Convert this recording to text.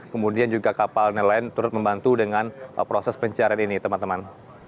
kemudian juga kapal yang lain lain terus membantu dengan proses pencarian ini teman teman